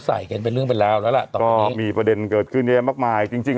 ใส่กันเป็นเรื่องไปแล้วแล้วมีประเด็นเกิดขึ้นมากจริง